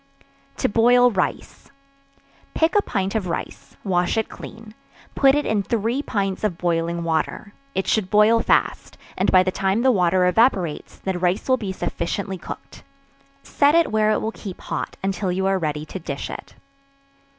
To Boil Rice. Pick a pint of rice, wash it clean put it in three pints of boiling water: it should boil fast, and by the time the water evaporates, the rice will be sufficiently cooked; set it where it will keep hot, until you are ready to dish it.